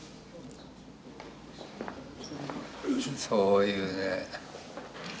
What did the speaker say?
そういうね。